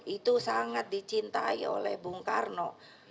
itu sangat dicintai oleh bung karno